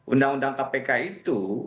undang undang kpk itu